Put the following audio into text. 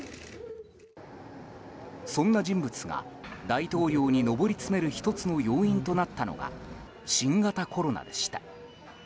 そんな人物が大統領に上り詰める１つの要因となったのが新型コロナでした。